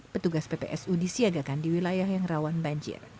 petugas ppsu disiagakan di wilayah yang rawan banjir